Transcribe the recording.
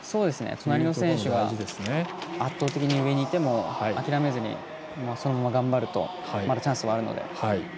横の選手が圧倒的に上にいても諦めずに、そのまま頑張るとまだチャンスがあるので。